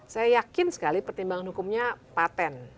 saya yakin sekali pertimbangan hukumnya patent